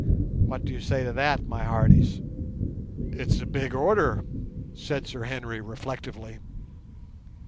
What do you say to that, my hearties?" "It's a big order," said Sir Henry, reflectively.